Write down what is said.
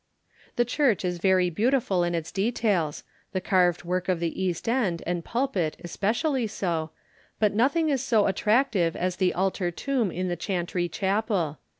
The church is very beautiful in its details, the carved work of the east end and pulpit especially so, but nothing is so attractive as the altar tomb in the chantry chapel.